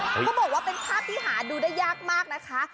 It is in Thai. เขาบอกว่าเป็นภาพที่หาดูได้ยากมากนะคะ